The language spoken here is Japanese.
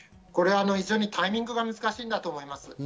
非常にタイミングが難しいんだと思います。